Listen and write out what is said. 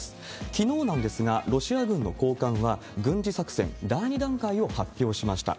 きのうなんですが、ロシア軍の高官は、軍事作戦第２段階を発表しました。